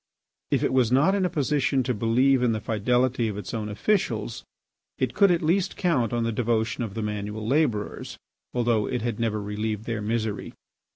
If it was not in a position to believe in the fidelity of its own officials it could at least still count on the devotion of the manual labourers, although it had never relieved their misery.